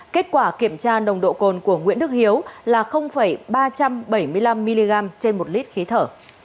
kết quả kiểm tra nồng độ cồn của nguyễn đức hiếu là ba trăm bảy mươi năm mg trên một lít khí thở